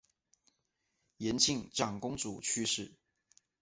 延庆长公主去世。